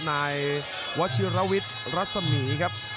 นายวัชิรวิทย์รัศมีครับ